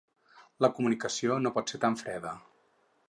La comunicació no pot ser tan freda.